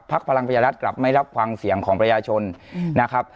ภักดิ์พลังพยารัฐกลับไม่รับควังเสี่ยงของประญาชนนะครับ